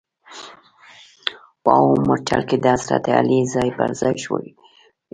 په اووم مورچل کې د حضرت علي ځاې پر ځا ې شوي ول.